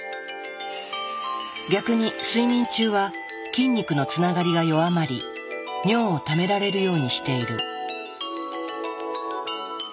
逆に睡眠中は筋肉のつながりが弱まり尿をためられるようにしている。